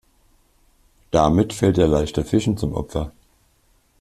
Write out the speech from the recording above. Damit fällt er leichter Fischen zum Opfer.